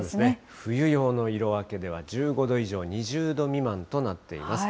冬用の色分けでは、１５度以上、２０度未満となっています。